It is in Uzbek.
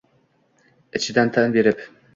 ichida tan berib.